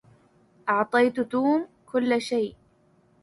أعطيت توم كل شيء.